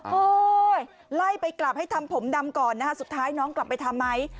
ไล่ไปกลับให้ทำผมดำก่อนนะฮะสุดท้ายน้องกลับไปทำไหม